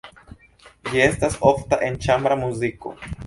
Ĝi estas ofta en ĉambra muziko.